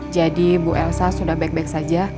jadi ibu elsa sudah baik baik saja